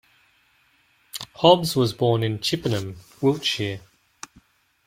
Hobbs was born in Chippenham, Wiltshire.